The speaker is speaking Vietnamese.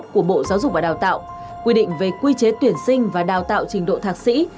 của bộ giáo dục và đào tạo quy định về quy chế tuyển sinh và đào tạo trình độ thạc sĩ